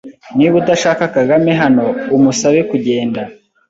Niba udashaka Kagame hano, umusabe kugenda.